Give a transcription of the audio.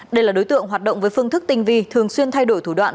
đây là đối tượng hoạt động với phương thức tinh vi thường xuyên thay đổi thủ đoạn